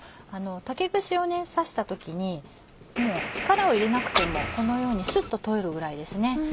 竹串を刺した時にもう力を入れなくてもこのようにスッと通るぐらいですね。